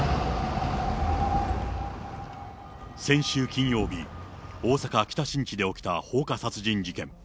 先週金曜日、大阪・北新地で起きた放火殺人事件。